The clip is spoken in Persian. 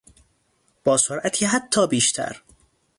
با سرعتی حتی بیشتر